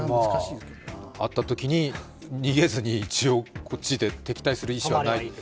遭ったときに逃げずにこっちで敵対する意思はないと。